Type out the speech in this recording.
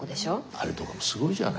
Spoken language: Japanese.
あれとかもすごいじゃない。